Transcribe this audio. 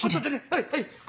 はいはい。